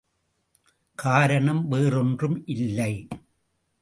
காரணம் வேறொன்றும் இல்லை.